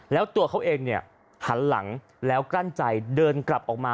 แล้วตัวเขาเองเนี่ยหันหลังแล้วกลั้นใจเดินกลับออกมา